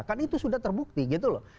kan itu sudah terbukti gitu loh